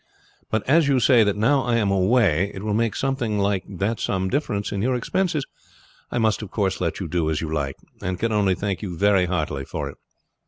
But as you say that now I am away it will make something like that sum difference in your expenses, I must of course let you do as you like, and can only thank you very heartily for it.